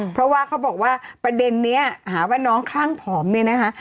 เพราะว่าเขาบอกว่าประเด็นนี้หาว่าน้องคลั่งผอมเนี่ยนะคะ